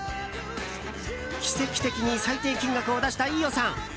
奇跡的に最低金額を出した飯尾さん。